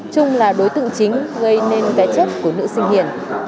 trung là đối tượng chính gây nên cái chết của nữ sinh hiền